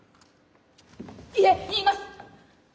いえ言います。